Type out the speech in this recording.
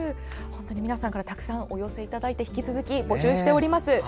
皆さんからたくさんお寄せいただき引き続き募集しています。